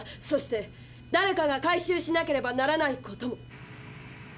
そしてだれかが回収しなければならない事も。